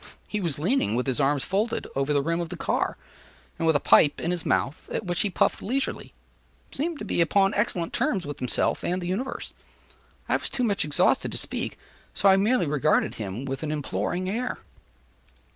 He was leaning with his arms folded, over the rim of the car; and with a pipe in his mouth, at which he puffed leisurely, seemed to be upon excellent terms with himself and the universe. I was too much exhausted to speak, so I merely regarded him with an imploring air.